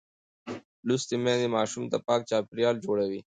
لوستې میندې ماشوم ته پاک چاپېریال جوړوي.